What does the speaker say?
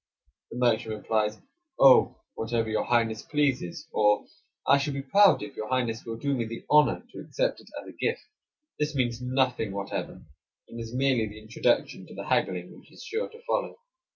The merchant replies, "Oh, whatever your highness pleases," or, "I shall be proud if your highness will do me the honor to accept it as a gift." This I 33 means nothing whatever, and is merely the introduction to the haggling which is sure to follow.